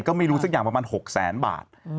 ก็ไม่รู้สักอย่างประมาณ๖แสนบาท